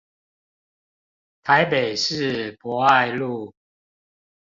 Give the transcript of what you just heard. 台北市博愛路